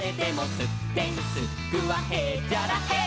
「すってんすっくはへっちゃらへい！」